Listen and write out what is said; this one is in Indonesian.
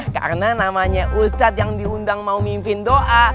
karena namanya ustadz yang diundang mau mimpin doa